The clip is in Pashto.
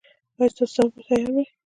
ایا ستاسو ځواب به تیار وي؟